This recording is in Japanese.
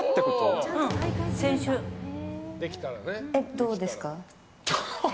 どうですか？